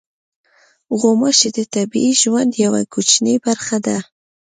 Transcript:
غوماشې د طبیعي ژوند یوه کوچنۍ برخه ده.